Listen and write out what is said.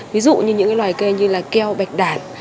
ví dụ như những loài cây như keo bạch đạn